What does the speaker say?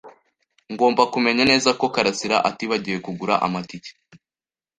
Ngomba kumenya neza ko karasira atibagiwe kugura amatike.